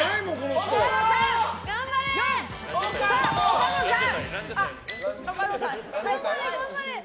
岡野さん！